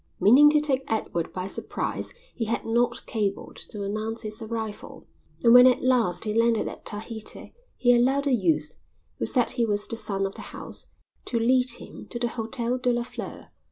Meaning to take Edward by surprise he had not cabled to announce his arrival, and when at last he landed at Tahiti he allowed a youth, who said he was the son of the house, to lead him to the Hotel de la Fleur.